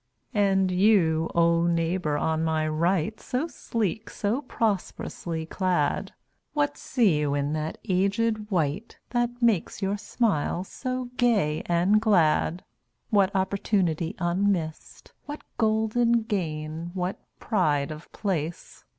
And you, O neighbour on my right So sleek, so prosperously clad! What see you in that aged wight That makes your smile so gay and glad? What opportunity unmissed? What golden gain, what pride of place?